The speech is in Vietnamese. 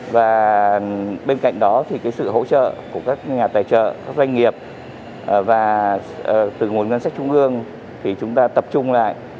và bên cạnh đó thì sự hỗ trợ của các nhà tài trợ các doanh nghiệp và từ nguồn ngân sách trung ương thì chúng ta tập trung lại